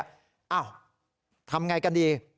อ้าวทำอย่างไรกันดี